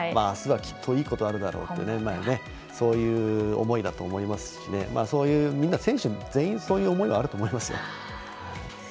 あすはきっといいことがあるだろうとそういう思いだと思いますしみんな選手、全員そういう思いはあると思いますよ。